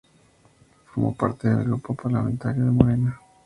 Formó parte del grupo parlamentario de Morena.